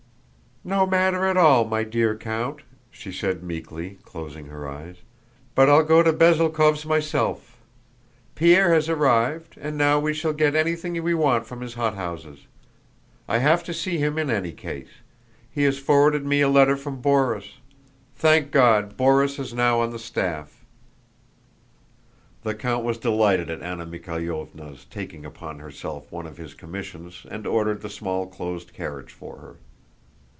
"No matter at all, my dear count," she said, meekly closing her eyes. "But I'll go to Bezúkhov's myself. Pierre has arrived, and now we shall get anything we want from his hothouses. I have to see him in any case. He has forwarded me a letter from Borís. Thank God, Borís is now on the staff." The count was delighted at Anna Mikháylovna's taking upon herself one of his commissions and ordered the small closed carriage for her.